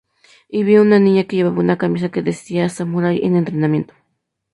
Y vi a una niña que llevaba una camisa que decía "Samurái en Entrenamiento".